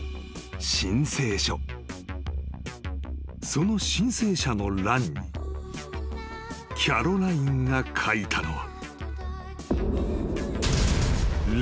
［その申請者の欄にキャロラインが書いたのは］